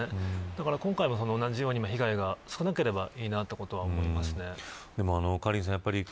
だから今回も同じように被害が少なければいいなということは思います。